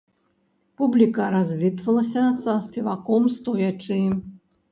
Публіка развітвалася са спеваком стоячы.